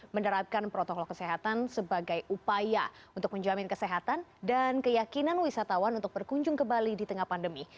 menerapkan protokol kesehatan sebagai upaya untuk menjamin kesehatan dan keyakinan wisatawan untuk berkunjung ke bali di tengah pandemi